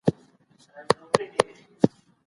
زه په دغه شور کي نه بېدېږم.